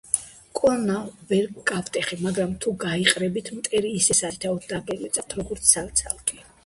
კონა ვერ გავტეხე; მაგრამ თუ გაიყრებით, მტერი ისე სათითაოდ დაგლეწავთ, როგორც ცალ-ცალკე